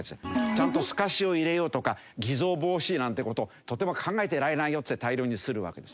ちゃんと透かしを入れようとか偽造防止なんて事をとても考えていられないよって大量に刷るわけですね。